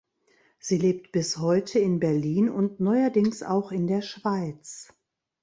Sie lebt bis heute in Berlin und neuerdings auch in der Schweiz.